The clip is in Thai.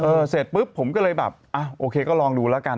เสร็จปุ๊บผมก็เลยแบบอ่ะโอเคก็ลองดูแล้วกัน